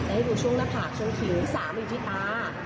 จะให้ดูช่วงหน้าผากช่วงขิว๓อยู่ที่ตา